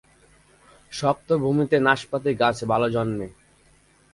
শক্ত ভূমিতে নাশপাতি গাছ ভাল জন্মে।